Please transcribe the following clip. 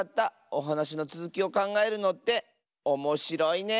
おはなしのつづきをかんがえるのっておもしろいね。